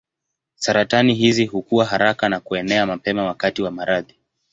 Saratani hizi hukua haraka na kuenea mapema wakati wa maradhi.